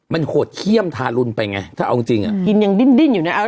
มันโหดเขี้ยมทารุณไปไงถ้าเอาจริงอ่ะกินยังดิ้นดิ้นอยู่นะ